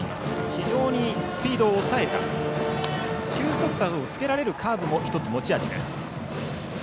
非常にスピードを抑えた球速差をつけられるカーブも１つ、持ち味です。